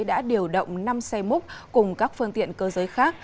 đã điều động năm xe múc cùng các phương tiện cơ giới khác